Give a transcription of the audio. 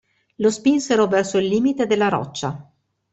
Lo spinsero verso il limite della roccia.